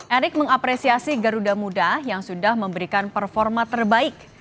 erick mengapresiasi garuda muda yang sudah memberikan performa terbaik